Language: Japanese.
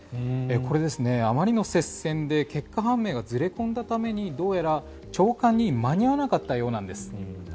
これ、あまりの接戦で結果判明がずれ込んだためにどうやら朝刊に間に合わなかったようなんです。